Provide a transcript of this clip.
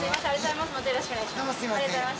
またよろしくお願いします。